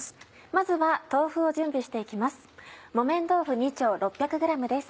まずは豆腐を準備して行きます。